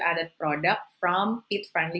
membuat produk yang berharga dari